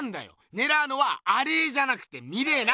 ねらうのはアレーじゃなくてミレーな。